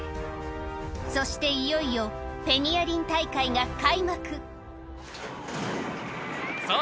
そしていよいよペニアリン大会が開幕さぁ